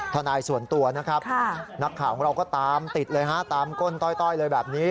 ทนายส่วนตัวนะครับนักข่าวของเราก็ตามติดเลยฮะตามก้นต้อยเลยแบบนี้